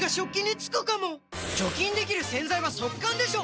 除菌できる洗剤は速乾でしょ！